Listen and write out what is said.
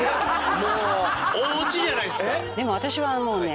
もう大オチじゃないですか。